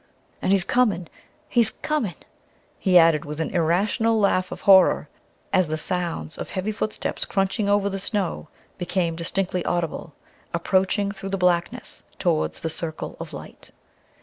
"And he's coming! He's coming!" he added, with an irrational laugh of horror, as the sounds of heavy footsteps crunching over the snow became distinctly audible, approaching through the blackness towards the circle of light.